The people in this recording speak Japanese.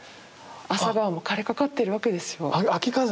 朝顔も枯れかかっているわけですよ。